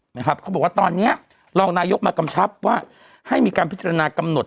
เขาบอกว่าตอนเนี้ยรองนายกมากำชับว่าให้มีการพิจารณากำหนด